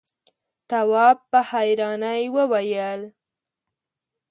تواب په حيرانی وويل: